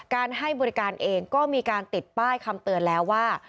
ให้บริการเองก็มีการติดป้ายคำเตือนแล้วว่า